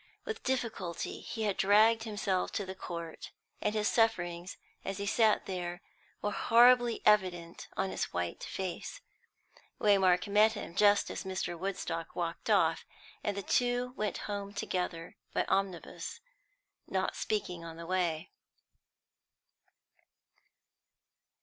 With difficulty he had dragged himself to the court, and his sufferings as he sat there were horribly evident on his white face. Waymark met him just as Mr. Woodstock walked off; and the two went home together by omnibus, not speaking on the way.